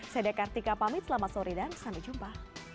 saya dekartika pamit selamat sore dan sampai jumpa